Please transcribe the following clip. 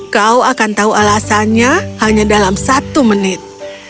kau akan tahu alasannya hanya dalam satu menit